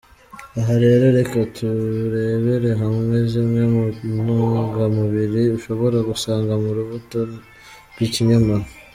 Aha rero reka turebere hamwe zimwe mu ntungamubiri ushobora gusanga mu rubuto rw’ikinyomoro:.